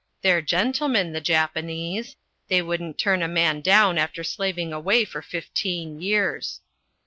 They're gentlemen, the Japanese. They wouldn't turn a man down after slaving away for fifteen years.